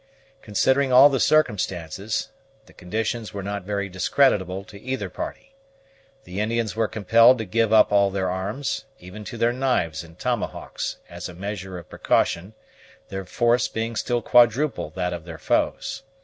Considering all the circumstances, the conditions were not very discreditable to either party. The Indians were compelled to give up all their arms, even to their knives and tomahawks, as a measure of precaution, their force being still quadruple that of their foes.